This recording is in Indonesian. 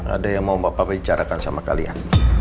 ada yang mau bapak bicarakan sama kalian